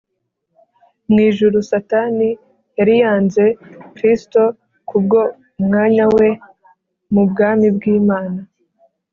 Mu ijuru Satani yari yaranze Kristo kubwo umwanya We mu bwami bw’Imana